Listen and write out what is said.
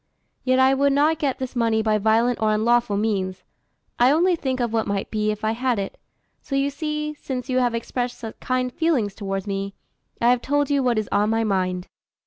Yet I would not get this money by violent or unlawful means; I only think of what might be if I had it. So you see, since you have expressed such kind feelings towards me, I have told you what is on my mind."